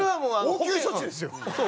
応急処置ですよ。